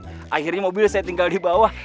jadi mobil saya tinggal di bawah